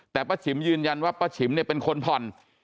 แต่ป้าฉิมยืนยันว่าป้าฉิมเนี่ยเป็นคนผ่อน